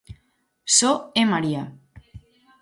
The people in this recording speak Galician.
Só é maría.